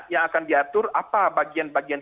yang akan diatur apa bagian bagian